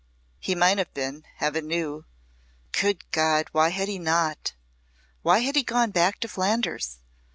He might have been, Heaven knew. Good God, why had he not? Why had he gone back to Flanders?